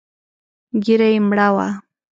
ږيره يې مړه وه.